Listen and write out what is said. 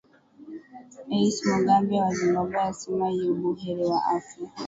ais mugabe wa zimbabwe asema yubuheri wa afya